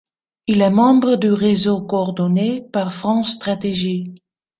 Il est membre du réseau coordonné par France Stratégie.